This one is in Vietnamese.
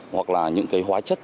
hoặc là những cái hóa chất